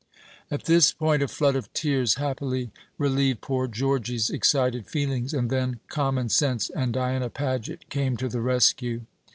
At this point a flood of tears happily relieved poor Georgy's excited feelings, and then common sense and Diana Paget came to the rescue.